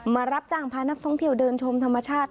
มารับจ้างพานักท่องเที่ยวเดินชมธรรมชาติ